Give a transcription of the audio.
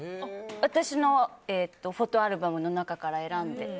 私のフォトアルバムの中から選んで。